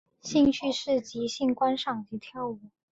兴趣是即时观赏及跳舞。